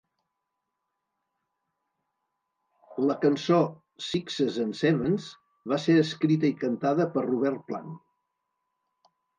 La cançó "Sixes and Sevens" va ser escrita i cantada per Robert Plant.